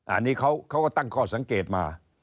อันนี้เขาก็ตั้งข้อสังเกตมา